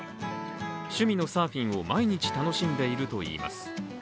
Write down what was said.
趣味のサーフィンを毎日楽しんでいるといいます。